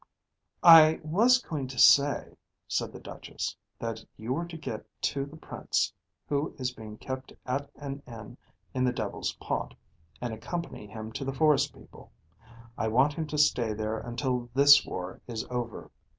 "I was going to say," said the Duchess, "that you were to get to the Prince, who is being kept at an inn in the Devil's Pot, and accompany him to the forest people. I want him to stay there until this war is over.